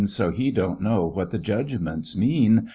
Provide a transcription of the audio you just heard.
So he don't know what the Judgments m^an.